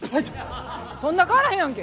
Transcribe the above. そんな変わらへんやんけ！